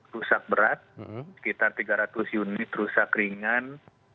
rusak berat sekitar tiga ratus unit rusak ringan